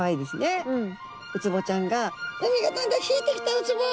ウツボちゃんが「海がだんだん引いてきたウツボ！